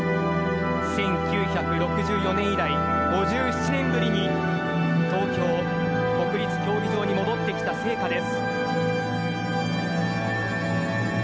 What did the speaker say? １９６４年以来５７年ぶりに東京・国立競技場に戻ってきた聖火です。